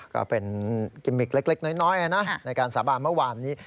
ก็เป็นกิมมิกเล็กน้อยในการสาบานเมื่อวานนี้